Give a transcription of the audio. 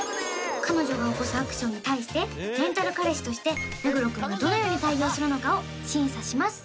彼女が起こすアクションに対してレンタル彼氏として目黒君がどのように対応するのかを審査します